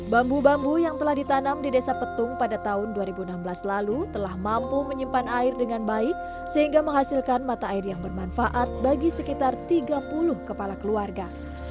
bambu bambu yang telah ditanam di desa petung pada tahun dua ribu enam belas lalu telah mampu menyimpan air dengan baik sehingga menghasilkan mata air yang bermanfaat bagi sekitar tiga puluh kepala keluarga